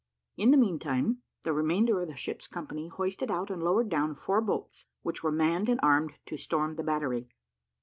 In the meantime, the remainder of the ship's company hoisted out and lowered down four boats, which were manned and armed to storm the battery.